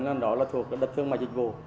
hoặc là thuộc đất thương mặt dịch vụ